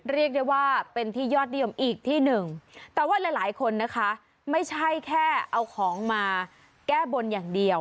เรียกได้ว่าเป็นที่ยอดนิยมอีกที่หนึ่งแต่ว่าหลายคนนะคะไม่ใช่แค่เอาของมาแก้บนอย่างเดียว